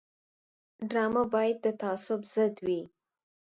ډرامه باید د تعصب ضد وي